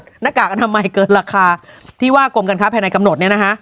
หน้ากากอนามัยเกินราคาที่ว่ากรมการค้าภายในกำหนดเนี่ยนะคะ